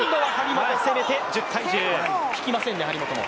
引きませんね、張本も。